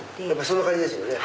そんな感じですよね。